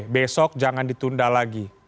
besok jangan ditunda lagi